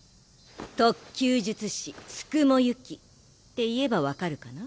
特級術師九十九由基って言えば分かるかな？